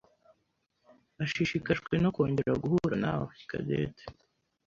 ashishikajwe no kongera guhura nawe Cadette.